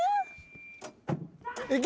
いけ！